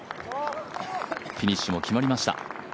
フィニッシュも決まりました。